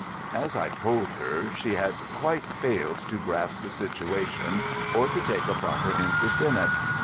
As I told her, she had quite failed to grasp the situation or to take a proper interest in it.